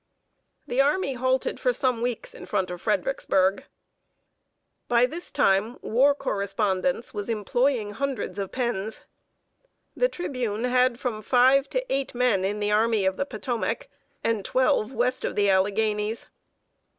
The army halted for some weeks in front of Fredericksburg. [Sidenote: HOW ARMY CORRESPONDENTS LIVED.] By this time, War Correspondence was employing hundreds of pens. The Tribune had from five to eight men in the Army of the Potomac, and twelve west of the Alleghanies.